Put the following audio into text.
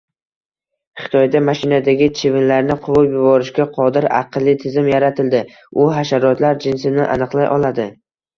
Xitoyda mashinadagi chivinlarni quvib yuborishga qodir “aqlli” tizim yaratildi. U hasharotlar jinsini aniqlay oladi